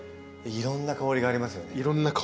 いろんな香りがあります。